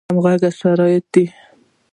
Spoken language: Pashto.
او همغږۍ شرط دی.